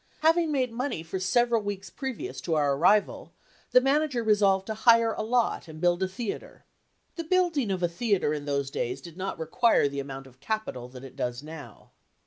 Having made money for several weeks previous to our arrival, the manager resolved to hire a lot and build a theater. The building of a theater in those days did not require the amount of capital that it does now.